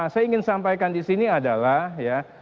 saya ingin sampaikan di sini adalah ya